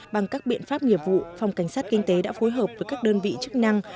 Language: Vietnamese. bằng các biện pháp nghiệp vụ phòng cảnh sát kinh tế đã phối hợp với các đơn vị chức năng